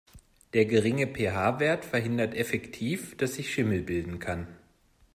Der geringe PH-Wert verhindert effektiv, dass sich Schimmel bilden kann.